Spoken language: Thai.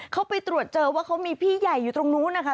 เขาไปตรวจเจอว่าเขามีพี่ใหญ่อยู่ตรงนู้นนะคะ